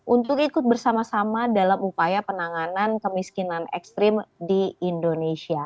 untuk ikut bersama sama dalam upaya penanganan kemiskinan ekstrim di indonesia